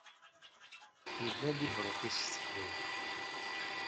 Yella libre office s teqbaylit.